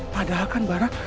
padahal kan barah